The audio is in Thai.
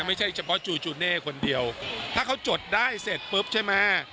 ไม่ใช่เฉพาะจูจูเน่คนเดียวถ้าเขาจดได้เสร็จปุ๊บใช่ไหมฮะ